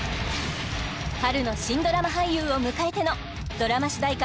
春の新ドラマ俳優を迎えてのドラマ主題歌